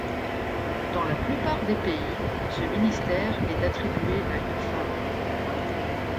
Dans la plupart des pays, ce ministère est attribué à une femme.